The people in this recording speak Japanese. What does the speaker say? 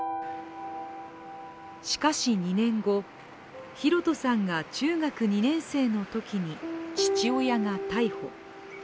しかし２年後、寛人さんが中学２年生のときに父親が逮捕。